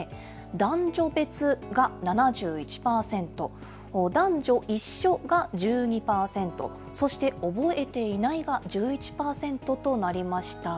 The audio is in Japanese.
男女別が７１％、男女一緒が１２％、そして覚えていないが１１％となりました。